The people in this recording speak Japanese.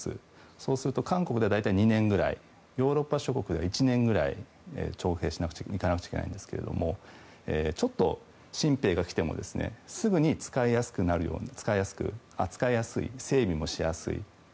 そうすると韓国では大体２年ぐらいヨーロッパ諸国では１年ぐらい徴兵、行かなくちゃいけないんですけれども新兵が来てもすぐに使いやすくなる扱いやすい、整備もしやすい。